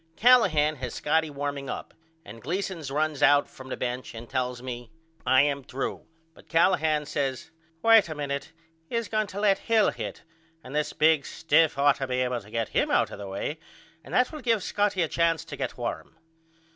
Callahan has Scotty warming up and Gleason runs out from the bench and tells me I am threw but Callahan says Wait a minute he is going to let Hill hit and this big stiff ought to be able to get him out of the way and that will give Scotty a chance to get warm.